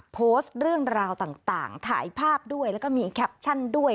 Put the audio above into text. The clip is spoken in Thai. โพสต์เรื่องราวต่างถ่ายภาพด้วยแล้วก็มีแคปชั่นด้วย